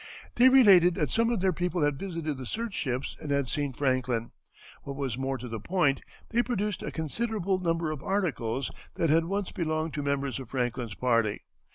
They related that some of their people had visited the search ships and had seen Franklin. What was more to the point, they produced a considerable number of articles that had once belonged to members of Franklin's party.